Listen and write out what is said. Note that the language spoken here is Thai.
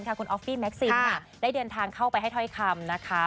คุณออฟฟี่แม็กซิมได้เดินทางเข้าไปให้ถ้อยคำนะคะ